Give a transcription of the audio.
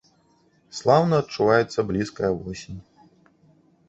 Слаўна адчуваецца блізкая восень.